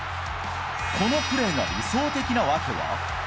このプレーが理想的な訳は。